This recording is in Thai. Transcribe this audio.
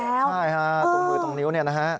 ใช่ฮะตรงมือตรงนิ้วเนี่ยนะฮะ